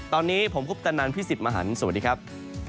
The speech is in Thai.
ตอนนี้ผมคุปตะนันพี่สิทธิ์มหันฯสวัสดีครับ